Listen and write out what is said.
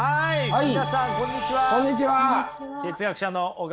はい。